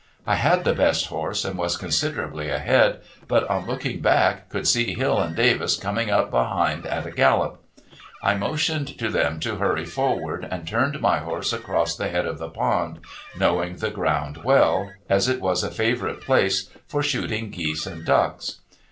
I had the best horse and was considerably ahead, but on looking back could see Hill and Davis coming up behind at a gallop. I motioned to them to hurry forward, and turned my horse across the head of the pond, knowing the ground well, as it was a favorite place for shooting geese and ducks.